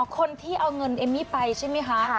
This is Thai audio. คนที่เอาเงินเอมมี่ไปใช่ไหมคะ